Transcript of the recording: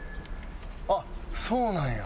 あっそうなんや。